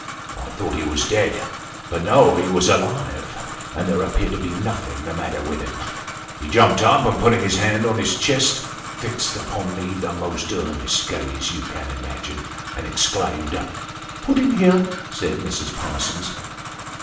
I thought he was dead ; but no, he was alive, and there appeared to be nothing the matter with him. He jumped up, and putting his hand to his chest, and fixing upon me the most earnest gaze you can imagine, exclaimed " Pudding here," said Mrs. Parsons.